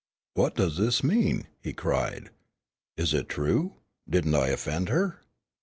"What does this mean," he cried. "Is it true, didn't I offend her?"